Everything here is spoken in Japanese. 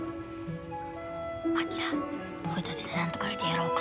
昭俺たちでなんとかしてやろうか。